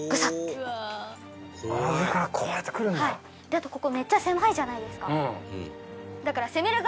であとここめっちゃ狭いじゃないですか。